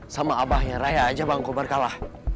sama abahnya raya aja bangkobar kalah